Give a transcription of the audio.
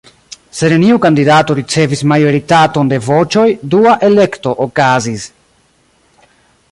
Se neniu kandidato ricevis majoritaton de voĉoj, dua elekto okazis.